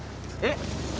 えっ？